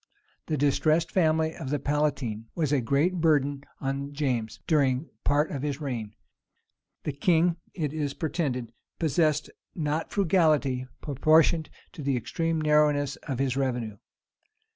The distressed family of the palatine was a great burden on James, during part of his reign. The king, it is pretended, possessed not frugality proportioned to the extreme narrowness of his revenue.